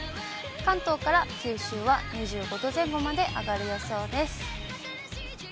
関東から九州は２５度前後まで上がる予想です。